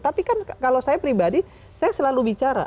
tapi kan kalau saya pribadi saya selalu bicara